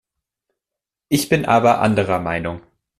Ich bin aber anderer Meinung.